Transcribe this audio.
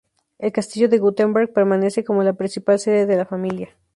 El castillo de Guttenberg permanece como la principal sede de la familia.